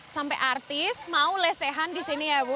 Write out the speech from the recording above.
sampai artis mau lesehan disini ya bu